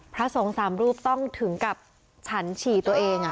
พระสงฆ์สามรูปต้องถึงกับฉันฉี่ตัวเอง